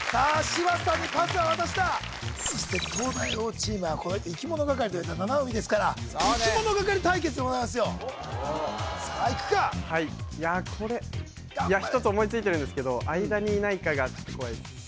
柴田さんにパスは渡したそして東大王チームは生き物係七海ですから生き物係対決でございますよさあいくかはいいやこれいや１つ思いついてるんですけど間にないかが怖いです